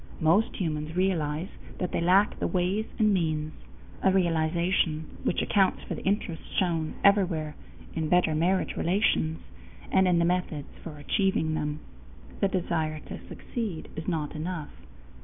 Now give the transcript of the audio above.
Most humans realize that they lack the ways and means, a realization which accounts for the interest shown everywhere in better marriage relations and in the methods for achieving them. The desire to succeed is not enough.